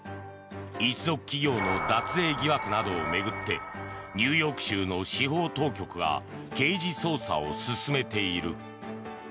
一族企業の脱税疑惑などを巡ってニューヨーク州の司法当局が刑事捜査を進めている。